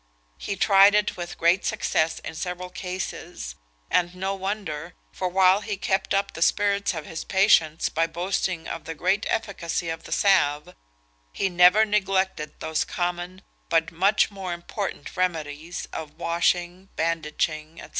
He tried it with great success in several cases, and no wonder, for while he kept up the spirits of his patients by boasting of the great efficacy of the salve, he never neglected those common, but much more important remedies, of washing, bandaging, &c.